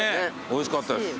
おいしかったです。